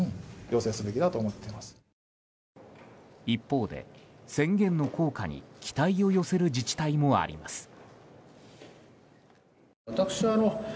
一方で宣言の効果に期待を寄せる自治体もあります。